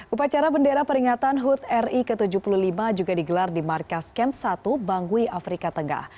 upacara bendera peringatan hud ri ke tujuh puluh lima juga digelar di markas kemp satu bangui afrika tengah